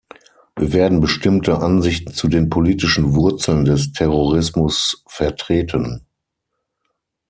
Wir werden bestimmte Ansichten zu den politischen Wurzeln des Terrorismus vertreten.